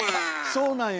そうなんや。